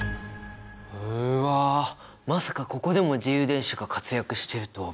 まさかここでも自由電子が活躍してるとはびっくり！